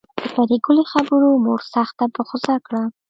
د پري ګلې خبرو مور سخته په غصه کړه